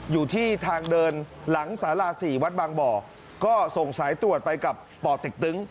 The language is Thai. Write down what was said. อยู่ที่ทางเดินหลังสารา๔วัดบางบ่อก็ส่งสายตรวจไปกับป่อเต็กตึง